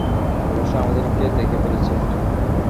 অবশ্যই আমাদেরকে দেখে ফেলেছে।